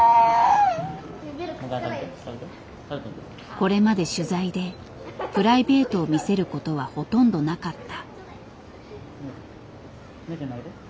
これまで取材でプライベートを見せることはほとんどなかった。